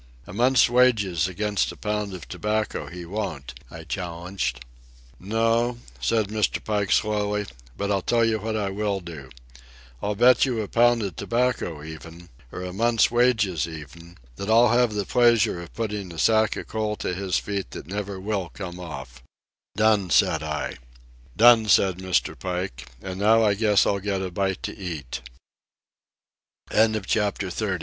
"A month's wages against a pound of tobacco he won't," I challenged. "No," said Mr. Pike slowly. "But I'll tell you what I will do. I'll bet you a pound of tobacco even, or a month's wages even, that I'll have the pleasure of putting a sack of coal to his feet that never will come off." "Done," said I. "Done," said Mr. Pike. "And now I guess I'll get a bite to eat." CHAPTER XXXI. The more I see of Miss West the more she pleases me.